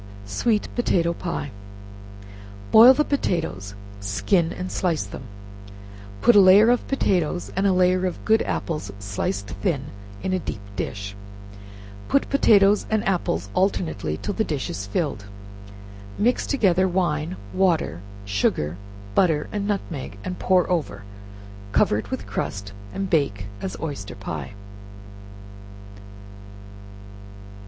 Sweet Potato Pie. Boil the potatoes, skin and slice them; put a layer of potatoes and a layer of good apples sliced thin in a deep dish; put potatoes and apples alternately till the dish is filled, mix together wine, water, sugar, butter and nutmeg, and pour over, cover it with crust, and bake as oyster pie.